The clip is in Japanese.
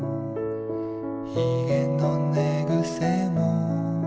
「ひげの寝ぐせも」